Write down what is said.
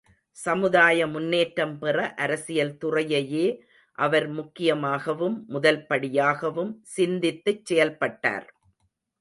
சமுதாய முன்னேற்றம் பெற அரசியல் துறையையே அவர் முக்கியமாகவும், முதல் படியாகவும் சிந்தித்துச் செயல்பட்டார்.